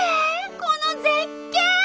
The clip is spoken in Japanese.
この絶景！